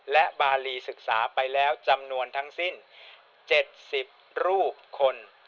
และบารีศึกษาไปแล้วจำนวนทั้งสิ้น๗๐รูปคน